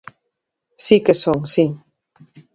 Si que son, si.